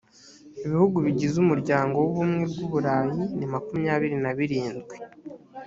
ibihugu bigize umuryango w ubumwe bw u burayi ni makumyabiri na birindwi